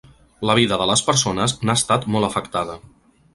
La vida de les persones n’ha estat molt afectada.